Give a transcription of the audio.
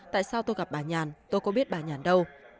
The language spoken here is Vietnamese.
tại sao tôi gặp bà nhàn tôi có biết bà nhàn đâu